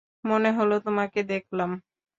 মনে হল তোমাকে দেখলাম।